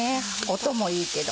音もいいけど。